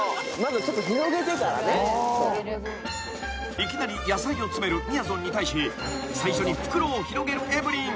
［いきなり野菜を詰めるみやぞんに対し最初に袋を広げるエブリン。